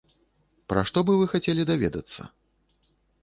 Пра што бы вы хацелі даведацца?